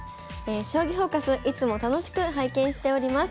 「『将棋フォーカス』いつも楽しく拝見しております。